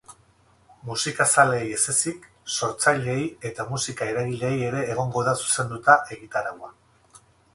Musikazaleei ez ezik, sortzaileei eta musika-eragileei ere egongo da zuzenduta egitaraua.